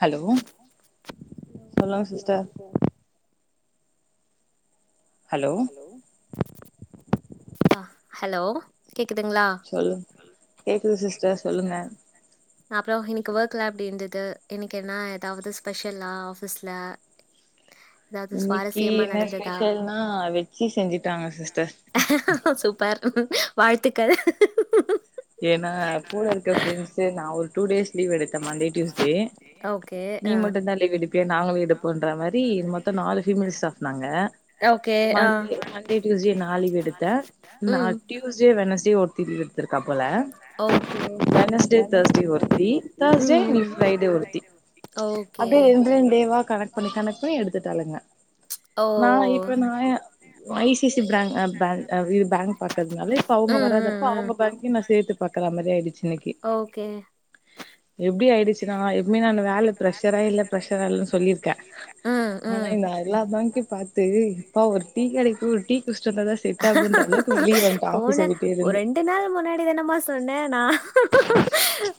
Hello சொல்லுங்க sister hello hello ஆ hello கேக்குதுங்களா சொல்லுங் கேக்குது சிஸ்டர் சொல்லுங்க அப்பற இன்னைக்கு ஒர்க்லா எப்டி இருந்தது இன்னைக்கு என்ன ஏதாவது ஸ்பெஷல்லா ஆஃபீஸ்ல ஏதாவது இன்னைக்கு சுவாரஸ்யமா என்ன நடந்ததா ஸ்பெஷல்னா வச்சு செஞ்சுட்டாங்க சிஸ்டர் சூப்பர் வாழ்த்துக்கள் ஏன்னா கூட இருக்க ஃப்ரெண்ட்ஸே நா ஒரு டூ டேஸ் லீவ் எடுத்தே மண்டே டியூஸ்டே ஓகே நீ ஆ மட்டுந்தா லீவுஎடுப்பியா நாங்ளு எடுப்போன்ற மாரி இது மொத்த நாலு ஃபீமேல் ஸ்டாஃப்னாங்க ஓகே ஆ மண்டே மண்டே டியூஸ்டே நா லீவ் எடுத்தே நா ம் டியூஸ்டே வெனஸ்டே ஒருத்தி லீவ் எடுத்திருக் காப்போல ஓகே வெனஸ்டே தர்ஸ்டே ஒருத்தி தர்ஸ்டே நீ ம் ஃப்ரைடே ஒருத்தி ஓகே அப்டியே ரெண்ரெண்டேவா கணக்கு பண்ணி கணக்கு பண்ணி எடுத்துட்டாளுங்க ஓ நா இப்ப நா ஐ சி சி பிரங் அ பே அ இது பேங்க் பாக்கறதுனால இப்ப அவுங்க ம் ம் வராதப்ப ம் அவுங்க பேங்க் யு நா சேத்து பாக்குற மாரி ஆயிடுச்சு இன்னைக்கி ஓகே எப்டி ஆயிடுச்சு நா எப்பயு நானு வேல ப்ரஷரா இல்ல ப்ரஷரா இல்லனு சொல்லிருக்கே ம், ஆனா ம். நா எல்லா பேங்க்கயு பாத் து அப்பா ஒரு டீ கடைக்கு போய் ஒரு டீ குஷ்ட்டு வந்தா தா செட் ஆகுன்ற அளவுக்கு வெளிய வந்ட்டே போன ஆஃபீஸ விட் ஒரு ரெண்டு நாள் முன்னாடி தானமா சொன்ன நா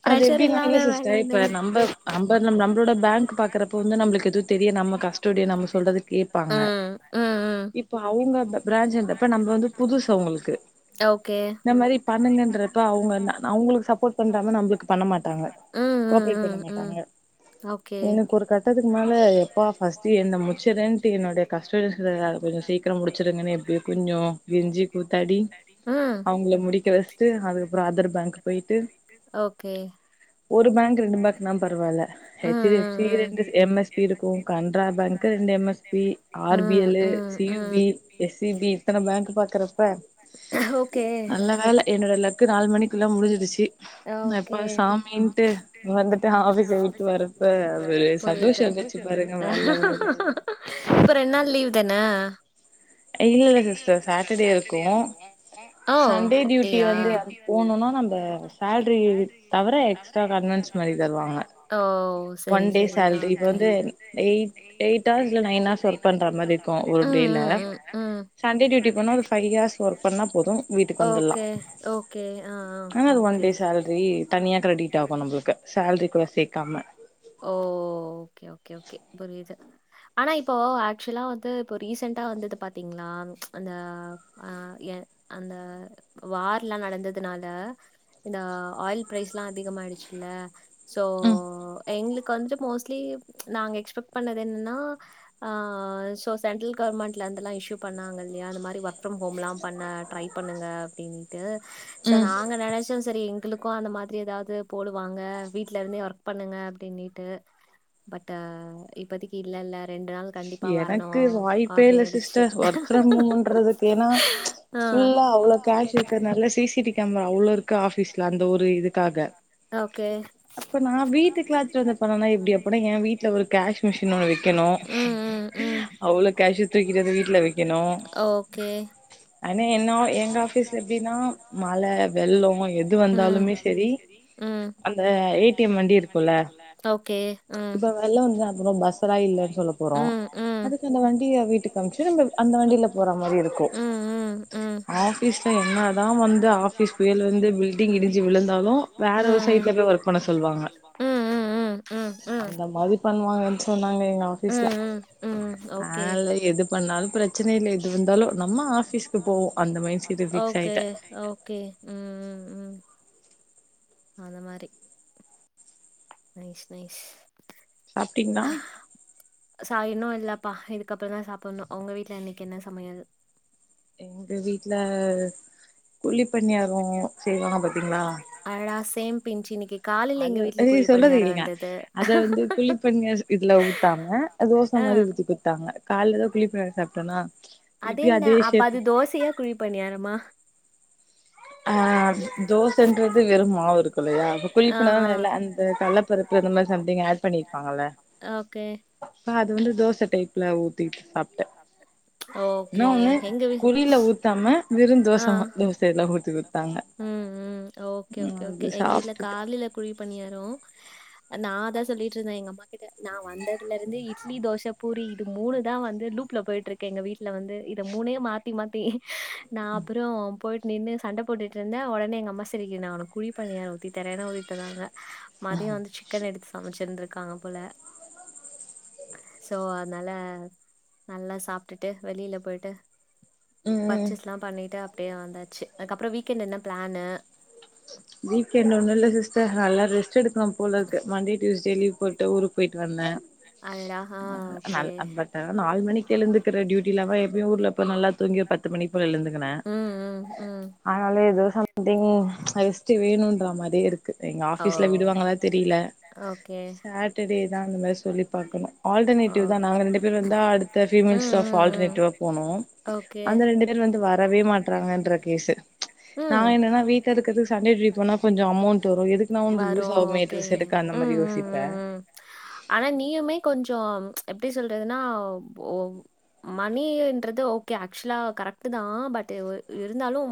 ப்ரெஷர் இல்லாத வேலனு அம்பது அம்ப நம் நம் நம்மோடு பேங்க் பாக்கறப்ப வந்து நம்ளுக்குஎது தெரிய நம்ம கஷ்டோடி நம்ம சொல்றது கேப்பாங்க ம், ம், ம். இ ப்ப அவுங்க பி பிரான்ச்ன்றப்ப நம்ம வந்து புதுசு அவுங்களுக்கு ஓகே. இந்த மாரி பண்ணுங்கன்றப்ப அவுங்க அவுங்களுக்கு சப்போர்ட் பண்றாங்க நம்ளுக்கு பண்ண மாட்டாங்க ம், ம், கோஆப்ரேட் பண்ண ம், ம். மாட்டாங்க ஓகே. எனக்கு ஒரு கட்டத்துக்கு மேல எப்பா ஃபர்ஸ்ட்டு என்ன முச்சறேன்ட்டு என்னோட கஸ்டமர்கிட்ட கொஞ்சோ சீக்கிரோ முடிச்சுடுங்கன்னு எப்டியோ கொஞ்சோ கெஞ்சி கூத்தாடி ம், அவுங்கள முடிக்க வச்ட்டு அதுக்கப்றோ அதர் பேங்க் போய்ட்டு ஓகே ஒரு பேங்க் ரெண்டு பேங்க்னா பரவால்ல ஹெச் ம், டி எஃப் சி ம், ம். ரெண்டு எம் எஸ் ஃபி இருக்கு கன்ட்ரா பேங்க்கு ரெண்டு M S F R B ம், எல் லு ம், சி யூ பி ம். எஸ் சி பி இத்தன பேங்க்கு பாக்குறப்ப ஓகே, நல்ல வேல என்னோட ல க்கு நாலு மணிக்குள்ள முடிஞ்சிடுச்சு நா எப்ப ஓகே சாமின்ட்டு வந்துட்டு ஆஃபீஸ விட்டு வரப்ப ஒரு சந்தோஷோ புரிது இருந்துச்சு பாருங்க வேற லெவல் இருந்துச்சு இப்ப ரெண்டு நாள் லீவ் தான இல்ல இல்ல சிஸ்டர் சாட்டர்டே இருக்கு ஓ சண்டே டியூட்டி அப்டியா வந்து போனோனா நம்ம சேல்ரி தவிர எக்ஸ்ட்ரா கன்வென்ஸ் மாரி தருவாங்க ஓ ஒன் செரி டே செரி சேல்ரி இப்ப ஓகே வந்து ஆ எயிட் எயிட் ஹார்ஸ் இல்ல ஆ ஆ நைன் ஹார்ஸ் ஒர்க் பண்ற மாரி இருக்கு ஒரு டேல சண்டே டியூட்டி போனா ஒரு ஃபைவ் ஹார்ஸ் ஒர்க் பண்ணா போது வீட்டுக்கு ஆ வந்துடலா ஓகே ஓகே ஆ ஆ ஆனா அது ஒன் டே சேல்ரி தனியா கெரிடிட் ஆகு நம்ளுக்கு சேலரிக்கூட சேக்காம ஓ ஓகே ஓகே ஓகே புரிது ஆனா இப்போ ஆக்சுவலா வந்து இப்போ ரீசெண்ட்டா வந்தது பாத்தீங்களா அந்த அ எ அந்த வார்ல்லா நடந்ததுனால இந்த ஆயில் ப்ரைஸ்லா அதிகமாயிடுச்சுல்ல சோ எங்களுக்கு வந்து மோஸ்ட்லி நாங்க எக்ஸ்பெக்ட் பண்ணது என்னன்னா ஆ சோ சென்ட்ரல் கவுர்மெண்ட்லந்துலா இஷ்யூ பண்ணாங்க இல்லயா இந்த மாரி ஒர்க் ஃப்ரம் ஹோம்லா பண்ண ட்ரை பண்ணுங்க அப்டின்ட்டு சோ நாங்க நெனச் சோ செரி எங்களுக்கு அந்த மாரி ஏதாவது போடுவாங்க வீட்லருந்தே ஒர்க் பண்ணுங்க அப் டினுட்டு பட் இப்பதிக்கி இல்ல இல்ல ரெண்டு நாள் கண்டிப்பா வரணு எனக்கு வாய்ப்பே இல்ல அப்டின்னுடுச்சு சிஸ்டர் ஒர்க் ஃப்ரம் ஹோம்ன்றதுக்கு ஏன்னா ஆ ஃபுல்லா அவ்ளோ காஷ் இருக்கனால சி சி டி கேமரா அவ்ளோருக்கு ஆபீஃஸ்ல அந்த ஒரு இதுக்காக அப்ப நா வீட்டுக்கு ஓகே எடுத்துட்டு வந்து பண்ணனா எப்டி அப்பனா எ வீட்ல ஒரு ம் கேஷ் மிஷின் ஒன்னு வைக்கணு ம் அவ்ளோ கேஷு தூக்கிட்டு வந்து வீட்ல வைக்கணு ம் ஆனா என்ன ஓகே எங்க ஆஃபீஸ்ல எப்டின்னா மழ ம் வெள்ளோ எது வந்தாலுமே செரி ம் ம் அந்த ஏ டி எம் வண்டி இருக்குல்ல ஓகே ஆ இப்ப தா இல்லன்னு சொல்ல போறோ அதுக்கு அந்த வண்டிய வீட்டுகமுச்சு நம்ம அந்த வண்டில போற மாரி இருக்கு ம் ம் ம் ம் ம் ஆஃபிஸ் ல என்னதா வந்து ஆபிஃஸ் புயல் வந்து பில்டிங் இடிஞ்சு விழுந்தாலு வேற ஒரு சைட்ல போய் ஒர்க் பண்ண சொல்லுவாங்க ம் ம் அந்த மாரி பண்ணுவாங்கன்னு சொன்னாங்க எங்க ஆ ஃபிஸ் ல ம் ஓகே பிரச்சன இல்ல எது வந்தாலு நம்ம ஆபீஸ்க்கு போவோ அந்த மைண்ட் செட் ஃபிக்ஸ் ஓகே ஆயிட்டே ஓகே ம் ம் ம் அந்த மாரி நைஸ் நைஸ் சாப்டிங்களா சாயணு இல்லாப்பா இதுக்கப்புற தா சாப்பணு உங்க வீட்டுல இன்னைக்கு என்ன சமையல் எங்க வீட்டு்ல குழி பன்னியாரோ செய்வாங்க பாத்தீங்களா அடடா சேம் பிஞ்சு இன்னிக்கு அது நீ சொல்லறத கேளுங்க அத வந்து குளிப்பணியார இதுல ஊத்தம தோச ஆ மாரி ஊத்தி குடுத்தாங்க காலைல தா குளிப்பணியார சாப்டனா அதென்ன அப்ப அது தோசையா குழி பணியாரமா அ தோசைன்றது வெறு மாவு இருக்கு இல்லையா ஆ குழிப்பன ஆ அந்த கள்ளப்பருப்பு இந்த மாறி சம்திங் ஆட் பண்ணிருப்பாங்கல்ல ஓகே அ அது வந்து தோச டைப்ல ஊத்தி சாப்டே இன்ன ஓகே ஒன்னு எங்க வீ குழில ஊத்தாம வெறும் தோசைமா ஆ [unintelligible] ச்சு குடுத்தாங்க ம் ம் ஓகே ம் ஓகே ஓகே அது எங்க வீட்ல சாப்ட்டுட்டு காலையில குழி பணியாரோ நா அதா சொல்லிட்ருந்தே எங்கம்மா கிட்ட நா வந்ததுலருந்து இப் இட்லி தோச பூரி இது மூணு தான் வந்து லூப்ல போயிட்ருக்கு எங்க வீட்டுல வந்து இத மூணே மாத்தி மாத்தி நா அப்பறோ போயிட் நின்னு சண்ட போட்டுட்ருந்த உடனே எங்கம்மா சிரக்கு ஒடனே நா உனக்கு குழி பணியார ஊத்து தரேன்னு ஊத்திதந்தாங்க மதிய வந்து சிக்கன் எடுத்து சமைச்சிருந்தருக்காங்க போல சோ அதனால நல்லா சாப்ட்டுட்டு வெளியில போயிட்டு ம் ம் பர்ச்சேஸ்லாம பண்ணிட்டு அப்படியே வந்தாச்சு அதுக்கப்பறோ வீக்கெண்ட் என்ன பிளானு வீக்எண்ட் ஒன்னு இல்ல சிஸ்டர் நல்லா ரெஸ்ட்டு எடுக்கணு போலருக்கு மண்டே டியூஸ்டே லீவ் போட்டு ஊருக்கு போயிட்டு வந்தே அடடா ஆ ஓகே [unintelligible] நாலு மணிக்கு எழுந்துக்கிற டியூட்டில்லாம எப்பய ஊர்லப்ப நல்லா தூங்கி ப பத்து மணி போல எழுந்துக்குனே ம் ம் ம் அதனால ஏதோ சம்திங் ரெஸ்ட்டு வேணும்ன்ற மாரியே இருக் எங்க ஓ ஆஃபீஸ்ல விடுவாங்களா தெரியல ஓகே சாட்டர்டே தா அந்த மாரி சொல்லி பாக்கணு ஓ அல்டெர்னரிவ் தா நாங்க ரெண்டு ரெண்டு பேரு வந்து அடுத்த ம் பீமேல் ஸ்டாப் ம் ம் ஆல்டர்நேடிவ்வா போனு ஓகே அந்த ரெண்டு வந்து வரவே மாட்டறாங்கன்ற கேசு நா ம் என்னன்னா வீட்ட இருக்கது சண்டே ட போன கொஞ்ச அமௌண்ட் வரு எதுக்குனா வந்து வரு யூஸ் ஆகுமே ஓகே எடுக்கு அந்த மாரி ம் ம் யோசிப்பே ம் ம் ஆனா நீயு மே கொஞ்ச எப்டி சொல்றதுன்னா போ மணி என்றது ஓகே ஆக்சுவலா கரெக்ட்டு தா பட் இருந்தாலும்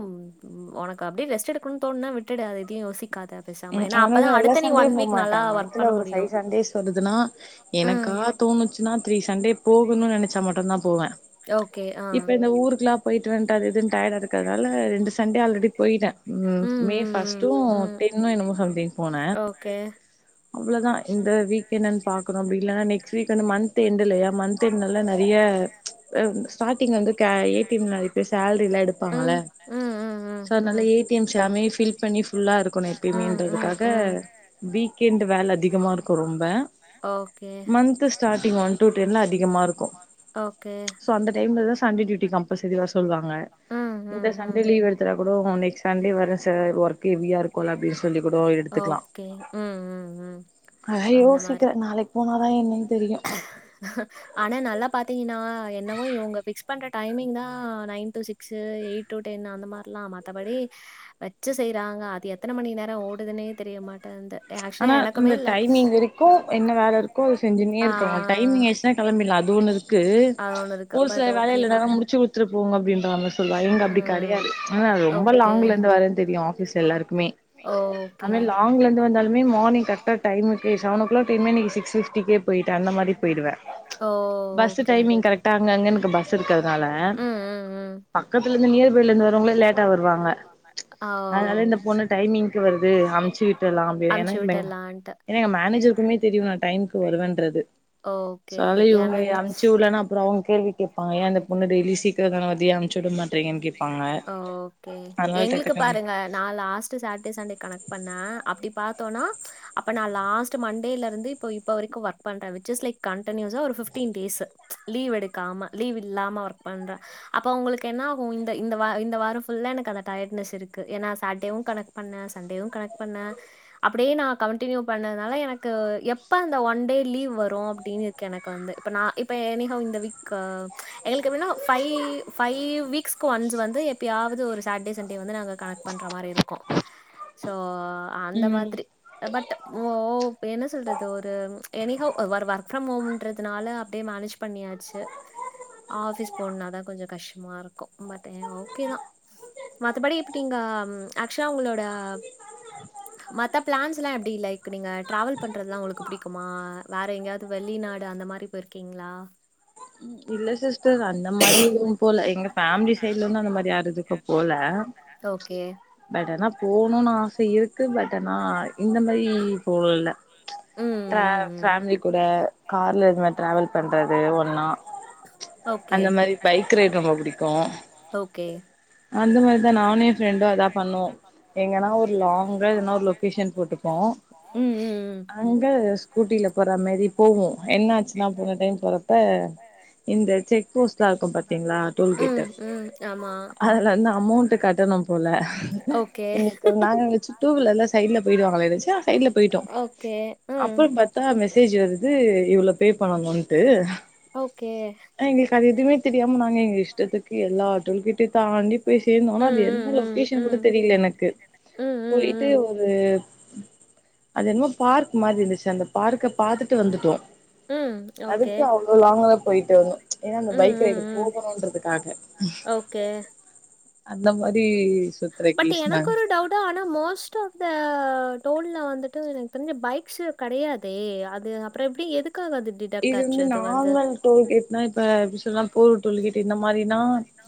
ம் உனக்கு அடியே ரெஸ்ட்டு எடுக்கனுன்னு தோணுனா விட்டுட அது எதையு யோசிக்காத பேசாம ம் ஏன்னா அப்பதா அவ்ளோதா எல்லா அடுத்த நீ சண்டேயு ஒன் போ வீக் மாட்டே நல்லா ஒர்க் மாந்த்துல பண்ண ஒரு முடியு ஃபைவ் சண்டேஸ் வருதுனா ம் எனக்கா தோணுத் ச்சுனா த்ரீ சண்டே போகனுன் நெனைச்சா மட்டுந்தா போவே ஓகே ஆ இப்ப இந்த ஊருக்குலா போய்ட்டு வந்ட்டு அது இதுன்னு டயர்டா இருக்கதால ரெண்டு சண்டே ஆல்ரெடி போய்டே ம் மே ஃபஸ்ட்டு என்னமோ சம்டைம்ஸ் போனே கே அவ்ளோதா இந்த வீக் என்னன் பாக்கணு அப்டி இல்லனா நெக்ஸ்ட் வீக் அந்த மந்த் என்டு இல்லையா மந்த் து நல்ல நெறைய அ ஸ்டார்டிங் வந்து க எ டி எம் ல அ சேலரிலா எடுப்பாங்கள ம் ம் ம் ம் சோ அதனால எ டி எம்ஸ் எல்லாமே ஃபில் பண்ணி ஃபுல்லா இருக்கணு ம் ம் ம் எப்பயுமேன்றதுக்காக ம் வீ க்கெண்டு வேல அதிகமா இருக்கு ரொம்ப okay month starting one two ten அதிகமா இருக்கு ஓகே சோ அந்த டைம்ல தா சண்டே டியூட்டி கம்ப்பல்சரி வர சொல்லுவாங்க ம் இந்த ம் ம் சண்டே லீவ் எடுத் தா கூட ஓ நெக்ஸ்ட் சண்டே வரேன் சார் ஒர்க்கு ஹெவியா இருக்குல அப்டின்னு சொல்லி கூட எடுத்துக்லா கே ம் ம் ம் ஐயோ அந்த மாரி சீக்கிர நாளைக்கு போனாதா என்னன் தெரியு ஆனா நல்லா பாத்தீங்கனா என்னவோ இவ்ங்க ஃபிக்ஸ் பண்ற டைமிங் தா நைன் டூ சிக்ஸ் ஸு எயிட் டூ டென் அந்த மார்லா மத்தபடி வச்சு செய்றாங்க அது எத்தன மணி நேர ஓடுதுனே தெரியமாட்டேன்ந்து ஆனா இந்த டைமிங் வரைக் கு என்ன வேல இருக்கோ அத செஞ்சுன்னே ஆ இருக்கோ டைமிங் ஆயிருச்சுனா கெளம்பிட்லா அது ஒன்னு இருக்கு அது ஒண்ணு இருக்கு ஒரு சில பட் வேல ஓகே தா இல்லனாலு முடிச்சு குடுத் விட்ரு போங்க அப்டின்றாங்க சொல்ல இவ்ங்க அப்டி ம் கெடையாது ஆனா ரொம்ப லாங்ல ஓகே இருந்து வரேன்னு தெரியு ஆஃபீஸ்ல எல்லாருக்கு மே ஓகே. அது மாரி லாங்ல இருந்து வந்தாலு மே மார்னிங் கரெக்ட்டா டைமுக்கு சவன் ஓ க்ளாக் டைம்னா இன்னக்கி நீ சிக்ஸ் ஃபிஃப்டிக்கே போயிட்டு அந்த மாரி போயிடுவே ஓ! Bus okay. டைமிங் கரெக்ட்டா அங்கங்க எனக்கு பஸ் இருக்கிறதுனால ம், ம், ம். பக்கத்துல இருந்து நியர்பைல இருந்து வர்றவ்ங்களே லேட் ட்டா வருவாங்க ஓ! அதனால இந்த பொண்ணு டைமிங்க்கு வருது அம்ச்சு விட்றலாம் அனுப்பிச்சு எனக்குமெங் விட்டர்லான்ட்டு. ஏனா எங்க மேனேஜர்க்குமே தெரியு நா டைம்க்கு வருவேன்றது சோ ஓகே. அதனால இவ்ங்க எ ஏன்னா அம்ச்சுட்லனா அப்றோ அவ்ங்க கேள்வி கேப்பாங்க ஏ இந்த பொண்ணு டெய்லி சீக்கிர தான் வருது ஏ அம் ஓகே அதனால டக்கு எங்களுக்கு டக்குனு பாருங்க நா லாஸ் ட்ரு சாட்டடே சண்டே கனெக்ட் பண்ணா அப்டி பாத்தோனா அப்ப நா லாஸ்ட்டு மண்டேல இருந்து இப்ப இப்ப வரைக்கு ஒர்க் பண்றே வி்ச் இஸ் லைக் கண்டனியூஸா ஒரு ஃபிஃப்ட்டீன் டேஸு லீவ் எடுக்காம லீவ் இல்லாம ஒர்க் பண்ற அப்ப உங்களுக்கு என்ன ஆகு இந்த இந்த வா இந்த வார ஃபுல்லா எனக்கு அந்த டயர்ட்னஸ் இருக்கு ஏனா சாட்டேவு கனெக்ட் பண்ணே சண்டேவு கனெக்ட் பண்ணே அப்டியே நா கண்டினியூ பண்ணதுனால எனக்கு எப்ப அந்த ஒன் டே லீவ் வரு அப்டின்னு இருக் கு எனக்கு வந்து இப்ப நா இப்ப எனி ஹொவ் இந்த வீக்கு எங்களுக்கு எப்டினா ஃபைவ் ஃபைவ் வீக்ஸ்க்கு ஒன்ஸ் வந்து எப்பயாவது ஒரு சாட்டடே சண்டே வந்து நாங்க கனெக்ட் பண்ற மாரி இருக்கு சோ அந்த ம் மாதிரி அ பட்டு மோவ் என்ன சொல்றது ஒரு எனி ஹொவ் அ ஒரு ஒர்க் ஃப்ரம் ஹோம்ன்றதுனால அப்டியே மேனேஜ் பண்ணியாச்சு ஆஃபிஸ் போனுனாதா கொஞ்ச கஷ்டமா இருக்கு பட் எ ஓகே தா மத்தபடி இப்டிங்க ஆக்சுவலா உங்களோட யம் மத்த பிளான்ஸ்லா எப்டி லைக் நீங்க ட்ராவல் பண்றதுலா உங்களுக்கு புடிக்குமா வேற எங்கேயாவ்து வெளிநாடு அந்த மாரி போயிருக்கீங்ளா ம் இல்ல சிஸ்டர் அந்த மாரி எதுவு போல எங்க ஃபேமிலி சைட்லருந்து அந்த மாரி யார் எதுக்கு போல ஓகே. பட் ஆனா போணுனு ஆச இருக்கு பட் ஆனா இந்த மாரி போல்ல ம், ட்ரா ம், ம். ஃபேமிலி கூட கார்ல இது மாரி ட்ராவல் பண்றது ஒன்னா ஓகே அந்த மாரி பைக் ரைட் ரொம்ப புடிக்கு ஓகே அந்த மாரிதா நானு ஏ ஃப்ரெண்டு அதா பண்ணுவோ எங்கனா ஒரு லாங்கான ஒரு லொக்கேஷன் போட்டுப்போ ம் ம் ம் அங்க ஸ்கூட்டில போற மாரி போவோ என்னாச்சுன்னா போன டைம் போறப்ப இப்ப இந்த செக் போஸ்ட்லா இருக்கு பாத்தீங்களா டோல்கேட்டு ம் ம் ம் ஆமா அது அதுல இருந்து அமௌன்ட் கட்டணும் போல ஓகே நாங்க டூ வீலர்ல சைடு ல போயிடுவாங்கன்னு நெனச்சு சைட்ல போயிட்டோ ஓகே ம் அப்பற பாத் பாத்தா மெசேஜ் வருது இவ்ளோ ஃபே பண்ணணு ட்டு ஓகே அ எங்களுக்கு அது எதுமே தெரியாம நாங்க எங்க இஷ்டத்துக்கு எல்லா டோல்கேட் அது தாண்டி போய் சேந்தோ ஆனா ம் அது ம் எந்த ம் லொகேஷன்னு கூட ம் தெரியல எனக்கு ம் ம் போயி ம் ஒரு அது என்னமோ பார்க் மாரி இருந்துச்சு அந்த பார்க்க பாத்துட்டு வந்துட்டோ ம் ஓகே நடிச்ச அவ்ளோ லாங்ல போயிட்டு வந்தோ ஏன்னா அந்த ம் பைக் ரைடு ம் ம் போகணும்ன்றதுக்காக ஓகே அந்த மாரி சுத்துற கேஸ் நாங்க ட்டா ஆனா மோஸ்ட் ஆஃப் த டோல்ல வந்துட்டு எனக்கு தெரிஞ்சு பைக்ஸ் கெடையாதே அது அப் அப்பற எப்டி எதுக்காக அது டிட் இது வந்து நார்மல் டோல்கேட்னா இப்ப எப்டி சொல்லலா போர் டோல்கேட் இந்த மாரினா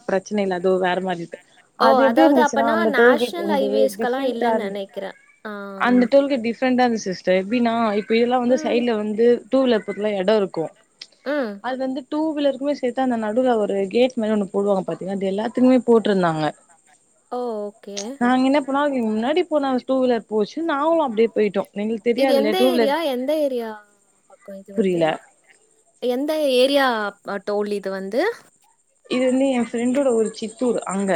பிரச்சன இல்ல அது வேற மாரி இது ஓ அது எப்டி அதாவது இருந்துச்சு ஆச்வலா அப்பனா அந்த டோல்கேட் நேஷனல் வந்து ஹைவேஸ்கெல்லா டிஃப்ரெண்டா இல்லன்னு இருந்துச்சு நெனைக்கிறே ஆ அந்த டோல்கேட் டிஃப்ரெண்டா இருந்துச்சு சிஸ் எப்டின்னா இப்ப இதெல்லா வந்து ம் சைட்ல வந்து டூ‌ வீலருக்கெலா எட இருக்கு ம் அது வந்து டூ வீலருக்குமே சேத்து அந்த நடுல ஒரு கேட் மாரி ஒண்ணு போடுவாங்க பாத்தீங்கன்னா அது எல்லாத்துக்குமே போட்ருந்தாங்க ஓ! ஓகே. நாங்க என்ன பண்ணனோ அது முன்னாடி போன டூ வீலர் போச்சு நாங்களு அப்டியே போயிட்டோ எங்களுக்கு இது தெரியாதுல்ல எந்த டூ வீலர் ஏரியா எந்த ஏரியா பக்க இது வந்து புரியல எந்த ஏரியா ப டோல் இது வந்து இது வந்து ஏ ஃப்ரெண்டோட ஊர் சித்தூர் அங்க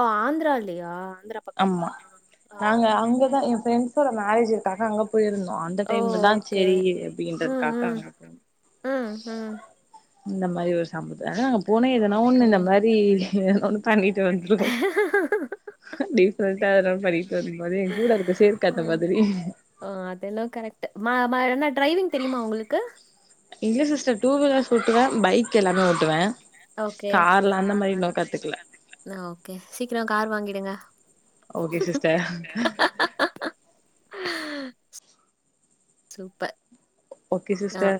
ஆ ஆந்தரால்லையா ஆந்த்ரா ஆமா நாங்க அங்கதா ஏ ஃரெண்ஸோட மேரேஜ்காக அங்க போயிருந்தோ அந்த ஓ! டைம்ல தா ஓகே. சரி ம், அப்படின்றதுக்காக ம். அங்க போனோ ம், ம். இந்த மாரி ஒரு சம்பவ ஆ போன எதனா ஓகே. ஒண்ணு இந்த மாரி ஏதாவது ஒண்ணு பண்ணிட்டு வந்துருவோ டிஃப்ரெண்டா ஏதாவது பண்ணிட்டு வந்த போது ஏ கூட அதுக்கு சேக்க அந்த ம். மாதிரி ஓ அது என்னவோ கரெக்ட்டு மா மா என்ன டிரைவிங் தெரியுமா உங்களுக்கு இல்ல சிஸ்டர் டூ வீலர்ஸ் ஓட்டுவே பைக் எல்லாமே ஓ ட்டுவே ஓகே. கார்ல அந்த மாரி இன்னு கத்துக்கல அ ஓகே சீக்கர கார் வாங்கிடுங்க okay sister super okay sister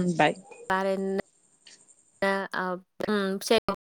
ம் பாய் வேற என்ன அ ம் செரி ஓ